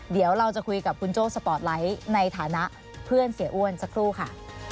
เดี๋ยวเราจะคุยกับคุณโจ้สปอร์ตไลท์ในฐานะเพื่อนเสียอ้วนสักครู่ค่ะ